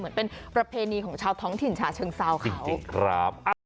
เหมือนเป็นประเพณีของชาวท้องถิ่นฉาเชิงเซาเขา